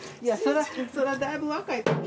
それはだいぶ若いとき。